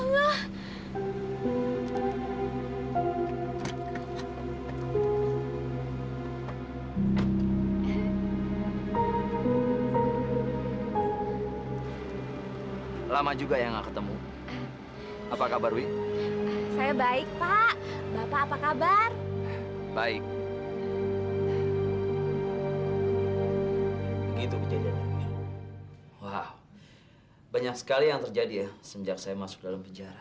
wow banyak sekali yang terjadi ya sejak saya masuk dalam penjara